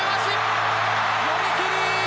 寄り切り！